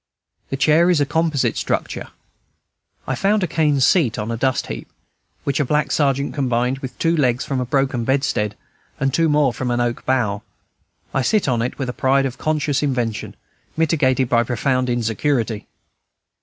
The chair is a composite structure: I found a cane seat on a dust heap, which a black sergeant combined with two legs from a broken bedstead and two more from an oak bough. I sit on it with a pride of conscious invention, mitigated by profound insecurity.